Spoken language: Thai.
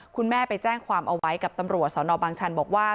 คุณแม่ไปแจ้งความเอาไว้กับตำรวจสนบางชันบอกว่า